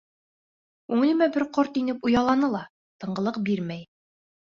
Күңелемә бер ҡорт инеп ояланы ла тынғылыҡ бирмәй.